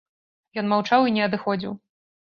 Ён маўчаў і не адыходзіў.